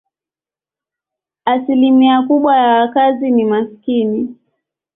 Asilimia kubwa ya wakazi ni maskini.